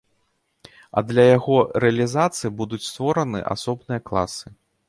А для яго рэалізацыі будуць створаны асобныя класы.